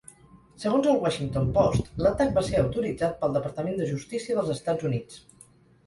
Segons el Washington Post, l'atac va ser autoritzat pel Departament de Justícia dels Estats Units.